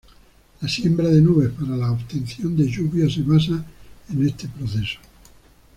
La siembra de nubes para la obtención de lluvia se basa en este proceso.